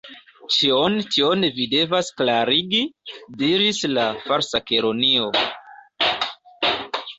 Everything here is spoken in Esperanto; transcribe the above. "Ĉion tion vi devas klarigi," diris la Falsa Kelonio.